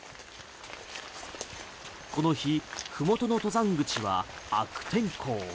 この日ふもとの登山口は悪天候。